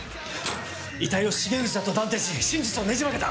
遺体を重藤だと断定し真実をねじ曲げた。